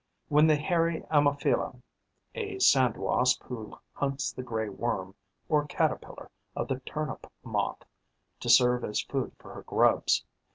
When the Hairy Ammophila (A Sand wasp who hunts the Grey Worm, or Caterpillar of the Turnip moth, to serve as food for her grubs.